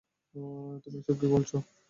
তুমি এসব কী বলছ।